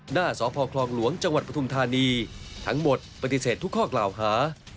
หน้าสพคลองหลวงจังหวัดปฐุมธานีทั้งหมดปฏิเสธทุกข้อกล่าวหา